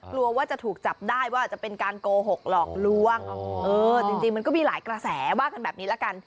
กลัวว่าจะถูกจับได้ว่าจะเป็นการโกหกหลอกลวงจริงมันก็มีหลายกระแสว่ากันแบบนี้ละกัน